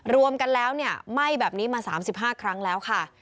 รวมกันแล้วไหม้แบบนี้มา๓๕ครั้งแล้วค่ะ